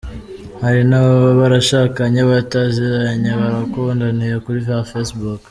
Hari n’ababa barashakanye bataziranye barakundaniye kuri za Facebook.